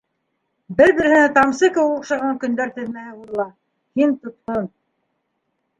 Бер- береһенә тамсы кеүек оҡшаған көндәр теҙмәһе һуҙыла, һин - тотҡон.